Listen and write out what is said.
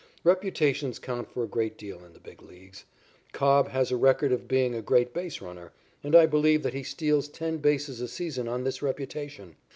Reputations count for a great deal in the Big Leagues. Cobb has a record as being a great base runner, and I believe that he steals ten bases a season on this reputation.